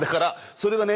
それがね